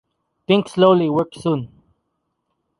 Think slowly, work soon.